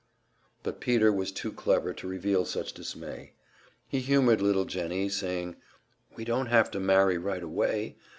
But Peter was too clever to reveal such dismay. He humored little Jennie, saying, "We don't have to marry right away.